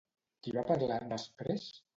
Qui va parlar, després?